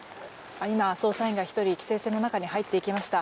今、捜査員が１人規制線の中に入っていきました。